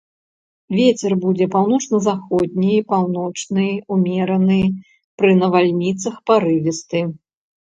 Вецер будзе паўночна-заходні, паўночны, умераны, пры навальніцах парывісты.